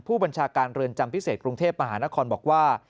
ผู้บัญชาการเรือนจำพิเศษกรุงเทพมหานครบอกว่า